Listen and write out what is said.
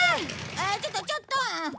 ああちょっとちょっと！